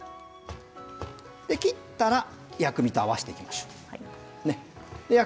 切ったら薬味と合わせていきましょう。